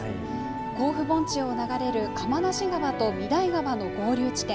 甲府盆地を流れる、釜無川と御勅使川の合流地点。